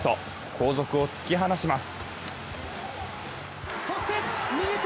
後続を突き放します。